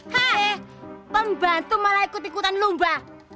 pembantu malah ikut ikutan lomba